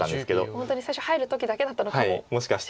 本当に最初入る時だけだったのかもしれないですね。